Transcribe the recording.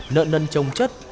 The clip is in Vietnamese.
nợ nâng trông chất